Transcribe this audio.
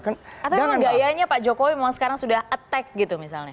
atau memang gayanya pak jokowi memang sekarang sudah attack gitu misalnya